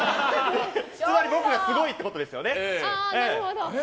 つまり僕がすごいってことですよね。